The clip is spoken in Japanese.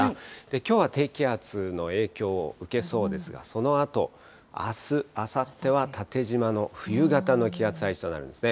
きょうは低気圧の影響を受けそうですが、そのあと、あす、あさっては縦じまの冬型の気圧配置となるんですね。